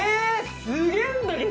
すげえんだけど。